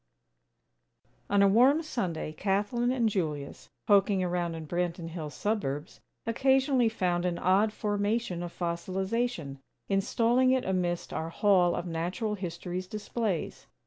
XX On a warm Sunday, Kathlyn and Julius, poking around in Branton Hills' suburbs, occasionally found an odd formation of fossilization, installing it amidst our Hall of Natural History's displays.